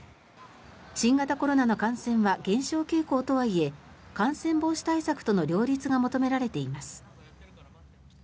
新型コロナの感染は減少傾向とはいえ感染防止対策との両立が求められています。